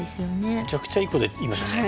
めちゃくちゃいいこと言いましたね。